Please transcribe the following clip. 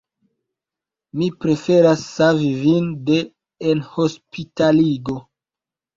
Mi preferas savi vin de enhospitaligo.